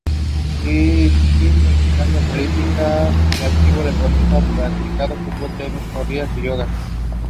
She also served as president of the United Democratic Women of Massachusetts.